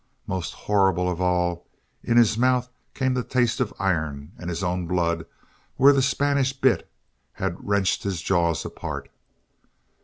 Most horrible of all, in his mouth came the taste of iron and his own blood where the Spanish bit had wrenched his jaws apart.